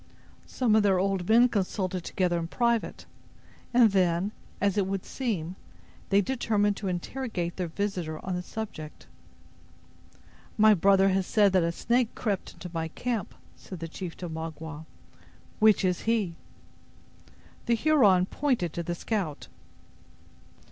Some of their old men consulted together in private, and then, as it would seem, they determined to interrogate their visitor on the subject. "My brother has said that a snake crept into my camp," said the chief to Magua; "which is he?" The Huron pointed to the scout.